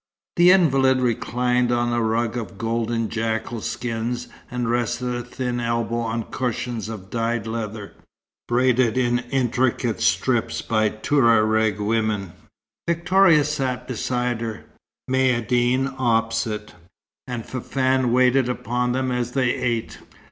The invalid reclined on a rug of golden jackal skins, and rested a thin elbow on cushions of dyed leather, braided in intricate strips by Touareg women. Victoria sat beside her, Maïeddine opposite, and Fafann waited upon them as they ate.